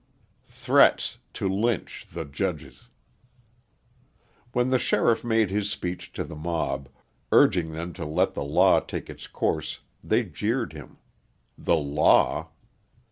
Threats to Lynch the Judges When the sheriff made his speech to the mob, urging them to let the law take its course they jeered him. The law!